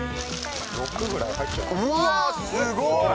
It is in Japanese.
うわー、すごい。